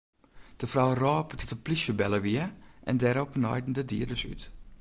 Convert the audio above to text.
De frou rôp dat de plysje belle wie en dêrop naaiden de dieders út.